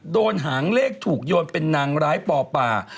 หางเลขถูกโยนเป็นนางร้ายปอป่า